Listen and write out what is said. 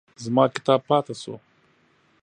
زما کتاب پاتې شو.